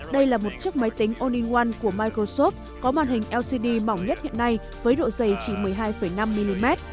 đây là một chiếc máy tính all in one của microsoft có màn hình lcd mỏng nhất hiện nay với độ dày chỉ một mươi hai năm mm